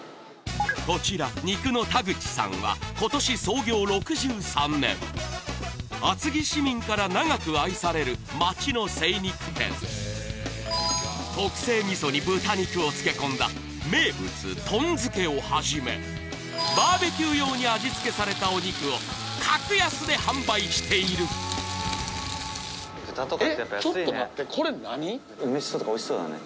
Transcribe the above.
こちら肉の田口さんは今年創業６３年厚木市民から長く愛される街の精肉店特製みそに豚肉を漬け込んだ名物とん漬をはじめバーベキュー用に味付けされたお肉を格安で販売している梅しそとかおいしそうだね。